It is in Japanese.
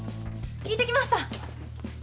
聞いてきました。